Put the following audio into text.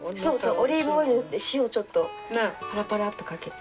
オリーブオイル塗って塩ちょっとパラパラっとかけて。